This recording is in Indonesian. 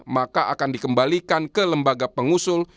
maka akan dikembalikan ke lembaga pengusul